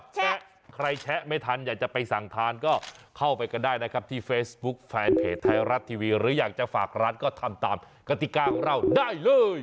แชะใครแชะไม่ทันอยากจะไปสั่งทานก็เข้าไปกันได้นะครับที่เฟซบุ๊คแฟนเพจไทยรัฐทีวีหรืออยากจะฝากร้านก็ทำตามกติกาของเราได้เลย